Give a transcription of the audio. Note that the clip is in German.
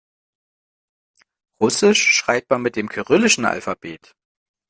Russisch schreibt man mit dem kyrillischen Alphabet.